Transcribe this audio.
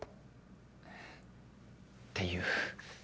っていう。